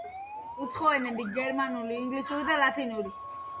უცხო ენები: გერმანული, ინგლისური და ლათინური.